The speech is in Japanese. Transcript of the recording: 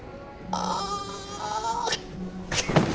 ああ！